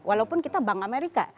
walaupun kita bank amerika